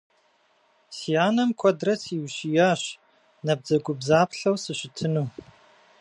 Си анэм куэдрэ сиущиящ набдзэгубдзаплъэу сыщытыну.